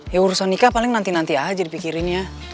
ya urusan nikah paling nanti nanti aja dipikirin ya